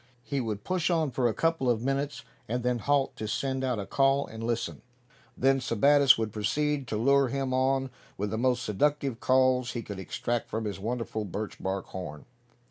He would push on for a couple of minutes, and then halt to send out a call, and listen. Then Sebattis would proceed to lure him on with the most seductive calls he could extract from his wonderful birch bark horn.